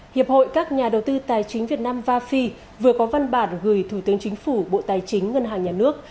hiệp hội các nhà đầu tư tài chính việt nam vafi vừa có văn bản gửi thủ tướng chính phủ bộ tài chính ngân hàng nhà nước